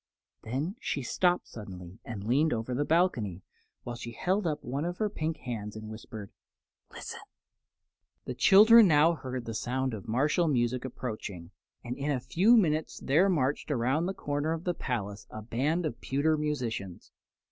Then she stopped suddenly and leaned over the balcony, while she held up one of her pink hands and whispered: "Listen!" The children now heard the sound of martial music approaching, and in a few minutes there marched around the corner of the palace a band of pewter musicians.